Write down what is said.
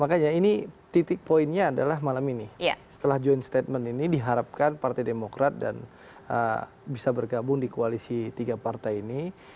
makanya ini titik poinnya adalah malam ini setelah joint statement ini diharapkan partai demokrat dan bisa bergabung di koalisi tiga partai ini